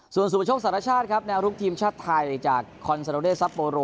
ส่วนสุประโชคสารชาติครับแนวรุกทีมชาติไทยจากคอนซาโดเดซัปโปโร